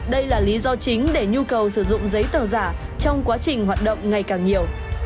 đây là lý do chính để nhu cầu sử dụng giấy tờ giả trong quá trình hoạt động ngày càng nhiều